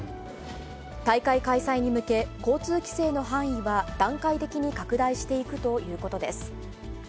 大会開催に向け、交通規制の範囲は段階的に拡大していくということです。